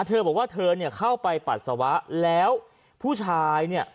เธอบอกว่าเธอเนี่ยเข้าไปปัสสาวะแล้วผู้ชายเนี่ย